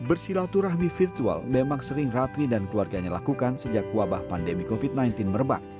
bersilaturahmi virtual memang sering ratri dan keluarganya lakukan sejak wabah pandemi covid sembilan belas merebak